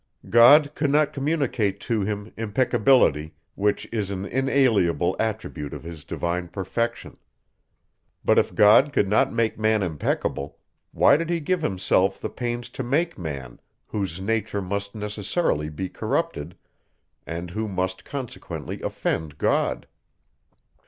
God could not communicate to him impeccability, which is an inalienable attribute of his divine perfection. But if God could not make man impeccable, why did he give himself the pains to make man, whose nature must necessarily be corrupted, and who must consequently offend God?